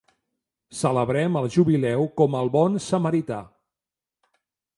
Celebrem el jubileu com el bon samarità.